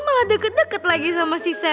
ntar mulai malah deket deket lagi sama si sam